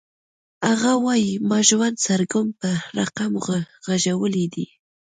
هغه وایی ما ژوند د سرګم په رقم غږولی دی